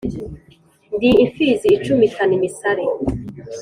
ndi imfizi icumitana imisare